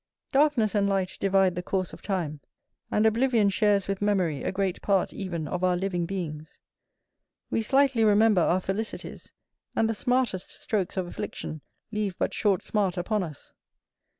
Darkness and light divide the course of time, and oblivion shares with memory a great part even of our living beings; we slightly remember our felicities, and the smartest strokes of affliction leave but short smart upon us.